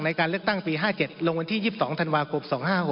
ในการเลือกตั้งปี๕๗ลงวันที่๒๒ธันวาคม๒๕๖๖